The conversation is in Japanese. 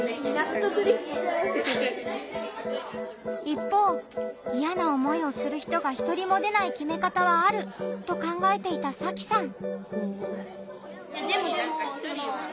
一方イヤな思いをする人が１人も出ない決め方はあると考えていたさきさん。